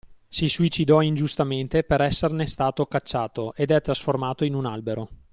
Si suicidò ingiustamente per esserne stato cacciato ed è trasformato in un albero.